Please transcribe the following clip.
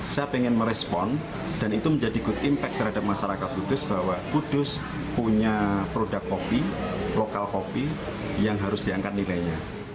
saya ingin merespon dan itu menjadi good impact terhadap masyarakat kudus bahwa kudus punya produk kopi lokal kopi yang harus diangkat nilainya